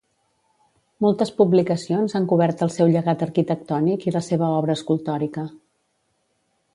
Moltes publicacions han cobert el seu llegat arquitectònic i la seva obra escultòrica.